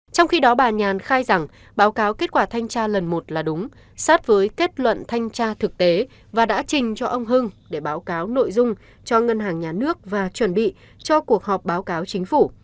trong khi đó bà nhàn khai rằng báo cáo kết quả thanh tra lần một là đúng sát với kết luận thanh tra thực tế và đã trình cho ông hưng để báo cáo nội dung cho ngân hàng nhà nước và chuẩn bị cho cuộc họp báo cáo chính phủ